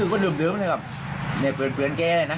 กว่านั้นนี่เราเห็นตระเบาะมาป้วนเปลี่ยนหรือมารับแกไปไหน